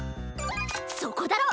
そこだろ！